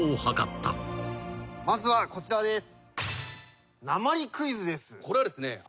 まずはこちらです。